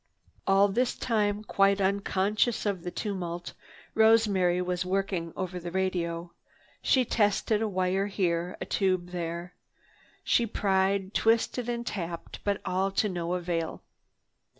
All this time, quite unconscious of the tumult, Rosemary was working over the radio. She tested a wire here, a tube there. She pried, twisted and tapped, but all to no avail.